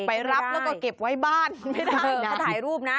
ไปรับแล้วก็เก็บไว้บ้านถ่ายรูปนะ